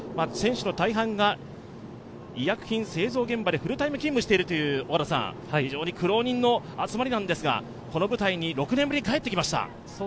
選手の大半が医薬品製造現場でフルタイム勤務しているという非常に苦労人の集まりなんですが、この舞台に６年ぶりに帰ってまいりました。